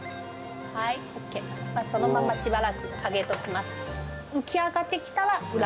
そのまましばらく揚げときます。